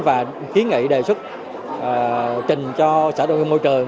và kiến nghị đề xuất trình cho sở đồng hương môi trường